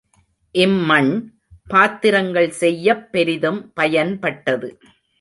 இம்மண் பாத்திரங்கள் செய்யப் பெரிதும் பயன்பட்டது.